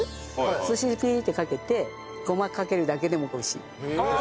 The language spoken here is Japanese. すし酢ピーッてかけてごまをかけるだけでも美味しい。